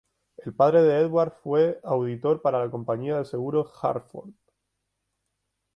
El padre de Edward fue auditor para la compañía de seguros Hartford.